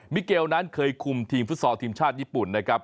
เกลนั้นเคยคุมทีมฟุตซอลทีมชาติญี่ปุ่นนะครับ